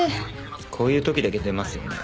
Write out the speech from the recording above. こういうときだけ出ますよね。